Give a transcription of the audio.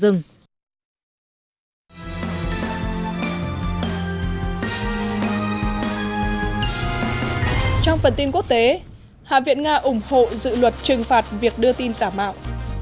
trong phần tin quốc tế hạ viện nga ủng hộ dự luật trừng phạt việc đưa tin giả mạo